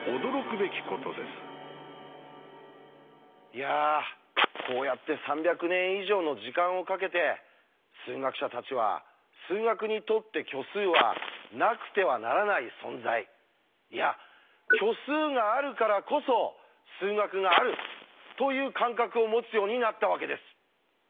いやこうやって３００年以上の時間をかけて数学者たちは数学にとって虚数はなくてはならない存在いやという感覚を持つようになったわけです。